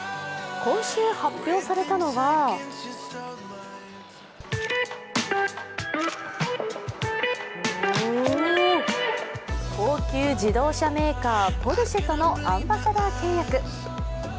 今週発表されたのは高級自動車メーカー、ポルシェとのアンバサダー契約。